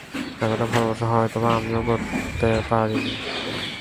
এতোটা ভালোবাসা হয়তোবা আমিও করতে পারি নি।